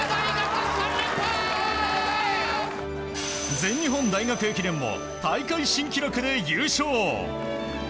全日本大学駅伝も大会新記録で優勝。